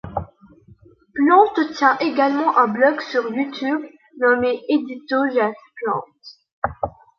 Plante tient également un blog sur YouTube nommé Édito Jeff Plante.